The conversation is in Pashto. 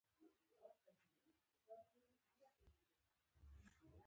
هغه کسان بيا هم پيژو نه ګڼل کېږي.